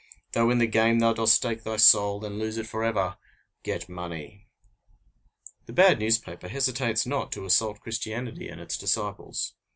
Though in the game thou dost stake thy soul, and lose it forever get money! The bad newspaper hesitates not to assault Christianity and its disciples.